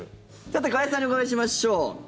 さて、加谷さんにお伺いしましょう。